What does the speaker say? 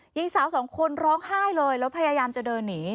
หญิงสาวสองคนร้องไห้เลยแล้วพยายามจะเดินหนี